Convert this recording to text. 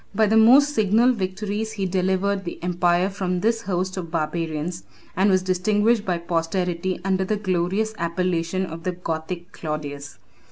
By the most signal victories he delivered the empire from this host of barbarians, and was distinguished by posterity under the glorious appellation of the Gothic Claudius.